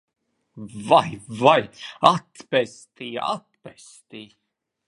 Vai, vai! Atpestī! Atpestī!